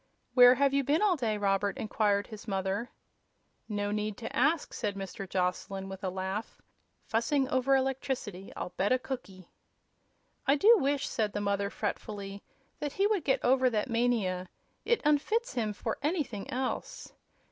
"Where have you been all day, Robert?" inquired his mother. "No need to ask," said Mr. Joslyn, with a laugh. "Fussing over electricity, I'll bet a cookie!" "I do wish," said the mother, fretfully, "that he would get over that mania. It unfits him for anything else."